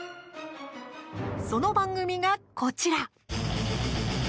その番組が、こちら。